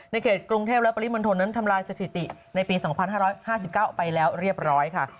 เขตกรุงเทพและปริมณฑลนั้นทำลายสถิติในปี๒๕๕๙ไปแล้วเรียบร้อยค่ะ